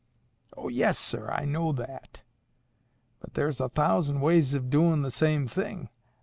"Oh yes, sir, I know that. But there's a thousand ways ov doin' the same thing.